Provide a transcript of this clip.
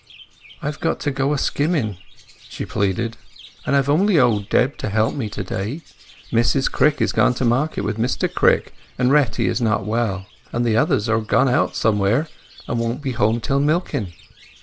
"I've got to go a skimming," she pleaded, "and I have on'y old Deb to help me to day. Mrs Crick is gone to market with Mr Crick, and Retty is not well, and the others are gone out somewhere, and won't be home till milking."